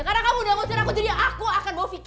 karena kamu udah mengusir aku jadi aku akan bawa vicky